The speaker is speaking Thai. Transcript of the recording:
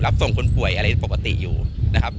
ส่งคนป่วยอะไรปกติอยู่นะครับ